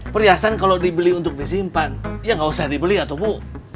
perhiasan kalau dibeli untuk disimpan ya nggak usah dibeli atau bu